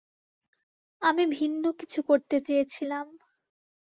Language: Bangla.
আমি ভিন্ন কিছু করতে চেয়েছিলাম।